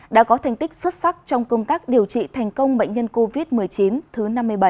đã có thành tích xuất sắc trong công tác điều trị thành công bệnh nhân covid một mươi chín thứ năm mươi bảy